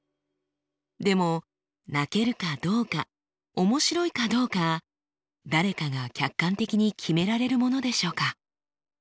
でも泣けるかどうか面白いかどうか誰かが客観的に決められるものでしょうか？